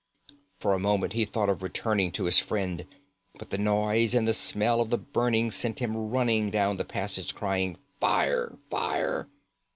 For a moment he thought of returning to his friend, but the noise and the smell of the burning sent him running down the passage crying, "Fire! Fire!"